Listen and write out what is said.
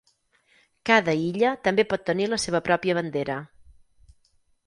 Cada illa també pot tenir la seva pròpia bandera.